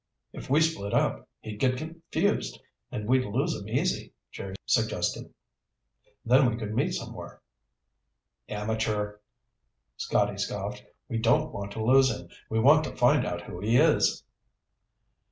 "If we split up, he'd get confused and we'd lose him easy," Jerry suggested. "Then we could meet somewhere." "Amateur," Scotty scoffed. "We don't want to lose him. We want to find out who he is."